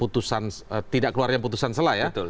putusan tidak keluarnya putusan selah ya